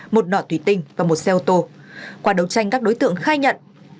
một nọ tùy tinh và một xe ô tô qua đấu tranh các đối tượng khai nhận